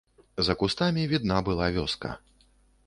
За кустамі відна была вёска.